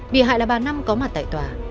bị hại là bà năm có mặt tại tòa